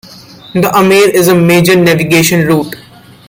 The Amer is a major navigation route.